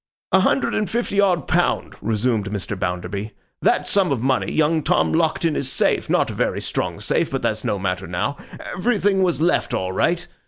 'A hundred and fifty odd pound,' resumed Mr. Bounderby. 'That sum of money, young Tom locked in his safe, not a very strong safe, but that's no matter now. Everything was left, all right.